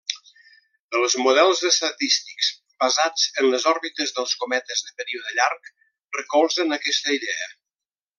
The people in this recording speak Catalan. Els models estadístics basats en les òrbites dels cometes de període llarg recolzen aquesta idea.